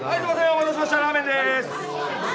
お待たせしましたラーメンです！